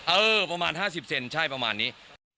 เออประมาณ๕๐เซนใช่ประมาณนี้